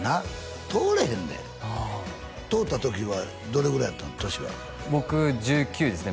通れへんで通った時はどれぐらいやったの？年は僕１９ですね